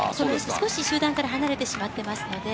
集団から少し離れてしまっていますので。